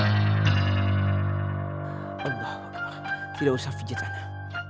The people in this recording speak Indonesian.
allah tidak usah pijit ana